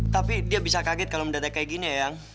tapi dia bisa kaget kalau mendadak kayak gini ya